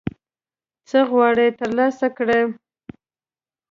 څه غواړي ترلاسه یې کړه